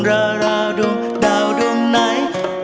เพราะในลมพัดพาหัวใจพี่ไปถึง